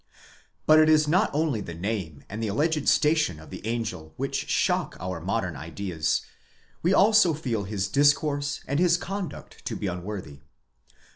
But it is not only the name and the alleged station of the angel which shock our modern ideas, we also feel his discourse and his conduct to be unworthy.